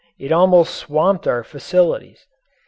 It almost swamped our facilities.